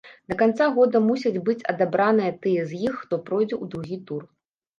Да канца года мусяць быць адабраныя тыя з іх, хто пройдзе ў другі тур.